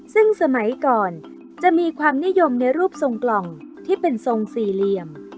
ซึ่งสมัยก่อนจะมีความนิยมในรูปทรงกล่องที่เป็นทรงสี่เหลี่ยม